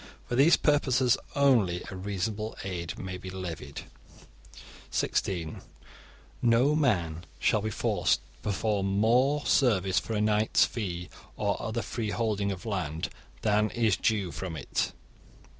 For these purposes only a reasonable 'aid' may be levied. (16) No man shall be forced to perform more service for a knight's 'fee', or other free holding of land, than is due from it.